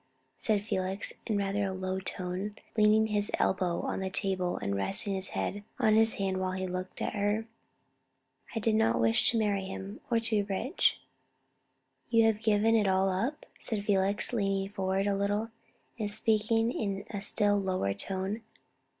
said Felix, in rather a low tone, leaning his elbow on the table, and resting his head on his hand while he looked at her. "I did not wish to marry him, or to be rich." "You have given it all up?" said Felix, leaning forward a little, and speaking in a still lower tone.